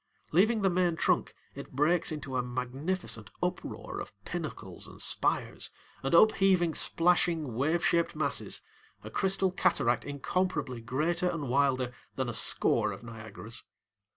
Leaving the main trunk, it breaks into a magnificent uproar of pinnacles and spires and up heaving, splashing wave shaped masses, a crystal cataract incomparably greater and wilder than a score of Niagaras.